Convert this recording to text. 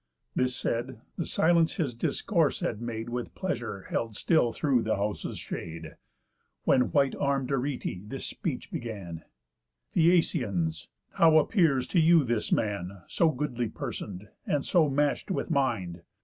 This said; the silence his discourse had made With pleasure held still through the house's shade, When white arm'd Areté this speech began: "Phæacians! How appears to you this man, So goodly person'd, and so match'd with mind?